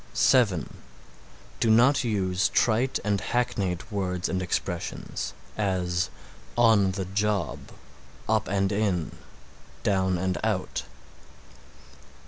(7) Do not use trite and hackneyed words and expressions; as, "on the job," "up and in"; "down and out."